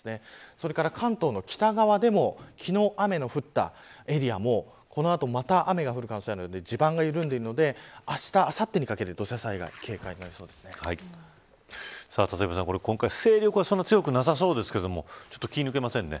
それから関東の北側でも昨日、雨の降ったエリアもこの後、また雨が降る可能性があるので地盤が緩んでいるのであした、あさってにかけて立岩さん、今回勢力はそんなに強くなさそうですが気は抜けませんね。